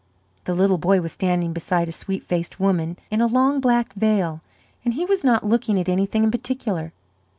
The little boy was standing beside a sweet faced woman in a long black veil and he was not looking at anything in particular.